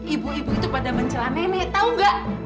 ibu ibu itu pada bencela nenek tau nggak